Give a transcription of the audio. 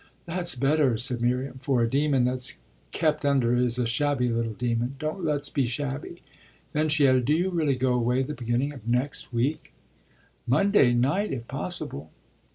"That's better," said Miriam; "for a demon that's kept under is a shabby little demon. Don't let's be shabby." Then she added: "Do you really go away the beginning of next week?" "Monday night if possible."